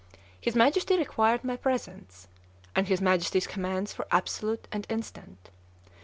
His Majesty required my presence; and his Majesty's commands were absolute and instant.